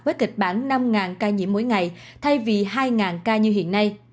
với kịch bản năm ca nhiễm mỗi ngày thay vì hai ca như hiện nay